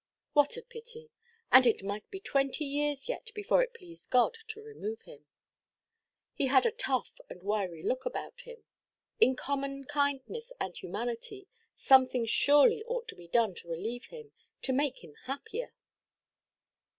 What a pity! And it might be twenty years yet before it pleased God to remove him. He had a tough and wiry look about him. In common kindness and humanity, something surely ought to be done to relieve him, to make him happier.